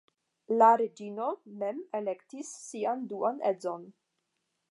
La reĝino mem elektis sian duan edzon.